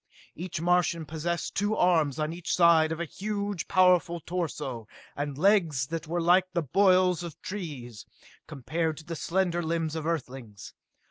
Each Martian possessed two arms on each side of a huge, powerful torso, and legs that were like the bolls of trees, compared to the slender limbs of Earthlings.